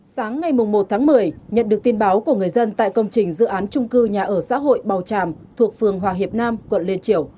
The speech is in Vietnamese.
sáng ngày một tháng một mươi nhận được tin báo của người dân tại công trình dự án trung cư nhà ở xã hội bào tràm thuộc phường hòa hiệp nam quận liên triều